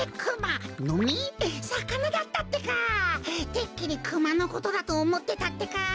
てっきりクマのことだとおもってたってか！